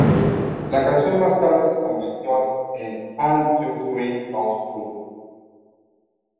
La canción más tarde se convirtió en "And Your Dream Comes True".